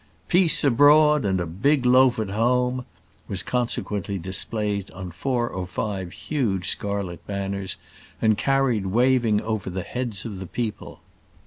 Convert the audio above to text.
"Peace abroad and a big loaf at home," was consequently displayed on four or five huge scarlet banners, and carried waving over the heads of the people.